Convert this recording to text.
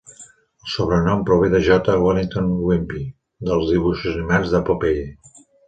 El sobrenom prové de J. Wellington Wimpy dels dibuixos animats de Popeye.